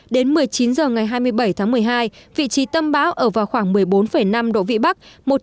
đến một mươi chín h ngày hai mươi bảy tháng một mươi hai vị trí tâm bão ở vào khoảng một mươi bốn năm độ vĩ bắc